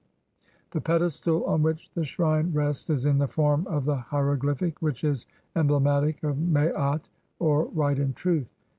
The pedestal on which the shrine rests is in the form of the hieroglyphic which is emblematic of Maat or "Right and Truth".